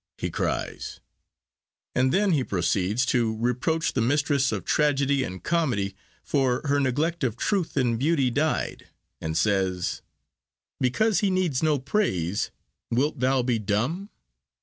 he cries, and he then proceeds to reproach the Mistress of Tragedy and Comedy for her 'neglect of Truth in Beauty dyed,' and says— Because he needs no praise, wilt thou be dumb?